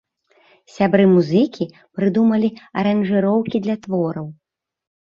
Сябры-музыкі прыдумалі аранжыроўкі для твораў.